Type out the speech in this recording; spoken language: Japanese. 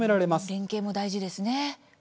連携も大事ですね。